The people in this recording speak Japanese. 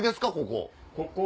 ここ。